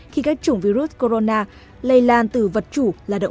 khi các chủng virus corona lây lan từ vật chủ